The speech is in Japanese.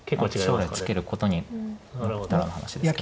将来ツケることになったらの話ですけど。